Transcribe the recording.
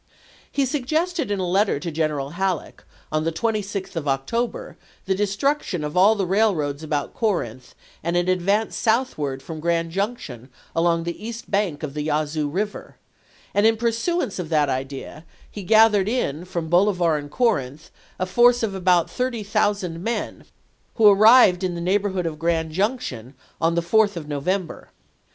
He suggested in a letter to General Halleck, on the 26th of October, the destruction of all the rail roads about Corinth and an advance southward from Grand Junction along the east bank of the Yazoo River ; and in pursuance of that idea he gathered in, from Bolivar and Corinth, a force of about thirty thousand men, who arrived in the neighborhood of Grand Junction on the 4th of November.